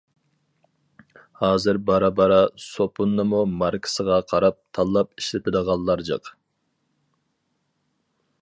ھازىر بارا-بارا سوپۇننىمۇ ماركىسىغا قاراپ، تاللاپ ئىشلىتىدىغانلار جىق.